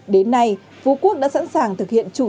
đến nay phú quốc đã sẵn sàng thực hiện chủ